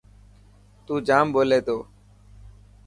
تون جام ٻولي تو.